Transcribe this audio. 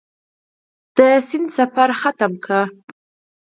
د سیند سفر ختم کړ.